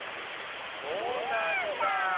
そうなんだあ。